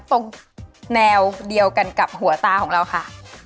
ตรงแนวเดียวกันกับหัวตาของเราค่ะ